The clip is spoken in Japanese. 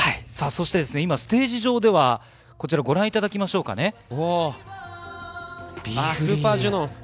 さあ、そして今ステージ上では、こちらご覧いただきましょうかね。